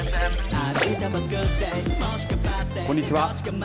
こんにちは。